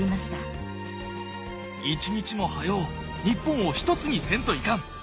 一日も早お日本を一つにせんといかん！